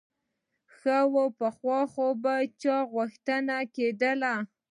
ښه وه پخوا خو به چې غوښتنې کېدې.